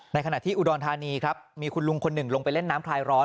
ขณะที่อุดรธานีครับมีคุณลุงคนหนึ่งลงไปเล่นน้ำคลายร้อน